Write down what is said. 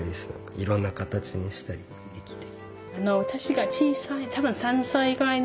いろんな形にしたりできて。